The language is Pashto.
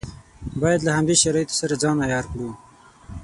باید له همدې شرایطو سره ځان عیار کړو.